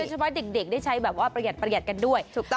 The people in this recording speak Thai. เฉพาะเด็กได้ใช้ประหยัดกันด้วย